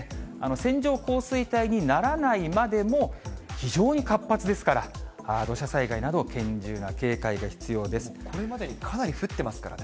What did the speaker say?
線状降水帯にならないまでも、非常に活発ですから、土砂災害なこれまでにかなり降ってますからね。